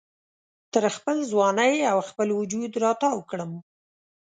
تر خپل ځوانۍ او خپل وجود را تاو کړم